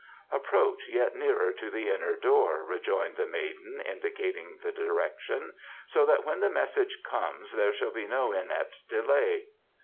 "Approach yet nearer to the inner door," enjoined the maiden, indicating the direction; "so that when the message comes there shall be no inept delay."